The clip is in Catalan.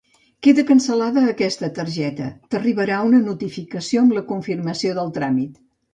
Queda cancel·lada aquesta targeta, t'arribarà una notificació amb la confirmació del tràmit.